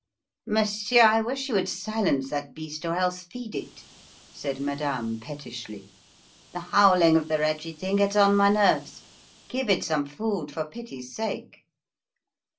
"Monsieur, I wish you would silence that beast or else feed it," said madame pettishly. "The howling of the wretched thing gets on my nerves. Give it some food for pity's sake."